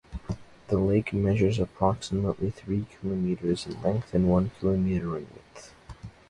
The lake measures approximately three kilometres in length and one kilometre in width.